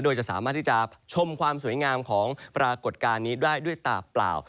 โดยจะสามารถที่จะชมความสวยงามของปรากฏการณ์นี้ได้ด้วยตาเปล่า